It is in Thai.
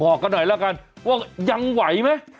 บอกกันหน่อยแล้วกันว่ายังไหวไหม